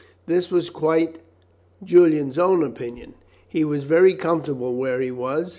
This was quite Julian's own opinion. He was very comfortable where he was.